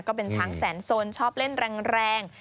ก็เป็นช้างแสนสนชอบเล่นแรง